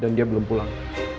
dan dia belum pulang